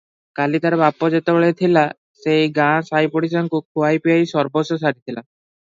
କାଲି ତାର ବାପ ଯେତେବେଳେ ଥିଲା, ସେ ଏଇ ଗାଁ ସାଇପଡ଼ିଶାଙ୍କୁ ଖୁଆଇ ପିଆଇ ସର୍ବସ୍ୱ ସାରିଥିଲା ।